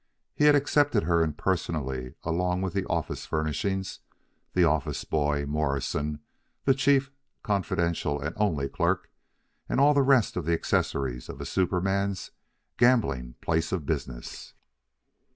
He had accepted her impersonally along with the office furnishing, the office boy, Morrison, the chief, confidential, and only clerk, and all the rest of the accessories of a superman's gambling place of business.